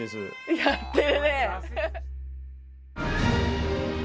やってるね！